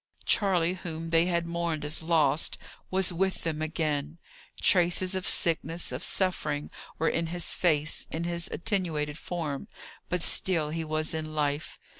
Charley, whom they had mourned as lost, was with them again: traces of sickness, of suffering were in his face, in his attenuated form; but still he was in life.